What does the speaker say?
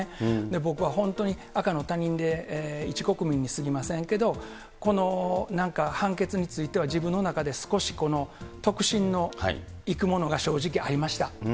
僕は本当に赤の他人で一国民にすぎませんけど、この判決については、自分の中で少し得心のいくものが正直ありました。